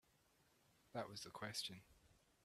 That was the question.